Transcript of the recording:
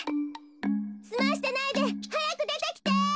すましてないではやくでてきて！